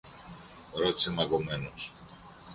ρώτησε μαγκωμένος.